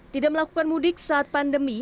tidak melakukan mudik saat pandemi